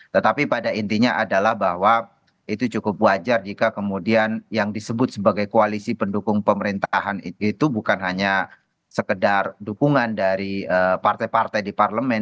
tetapi pada intinya adalah bahwa itu cukup wajar jika kemudian yang disebut sebagai koalisi pendukung pemerintahan itu bukan hanya sekedar dukungan dari partai partai di parlemen